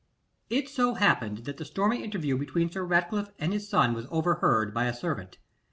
It so happened that the stormy interview between Sir Ratcliffe and his son was overheard by a servant.